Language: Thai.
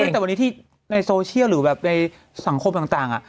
แต่วันนี้ที่ในโซเชียลหรือแบบในสังคมต่าง